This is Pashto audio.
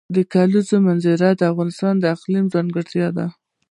د کلیزو منظره د افغانستان د اقلیم ځانګړتیا ده.